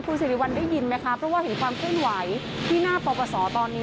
คุณสิริวัลได้ยินไหมคะเพราะว่าเห็นความเคลื่อนไหวที่หน้าปปศตอนนี้